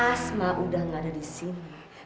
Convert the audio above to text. asma udah gak ada di sini